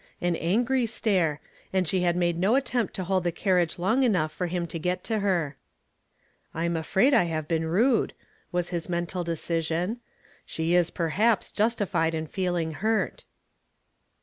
An angry stare, and she had made no attempt to hold the carriage long enough for him to get to her. '• I am afraid I have been rude," was his mental decision. " She is, perhaps, justified in feeling hurt."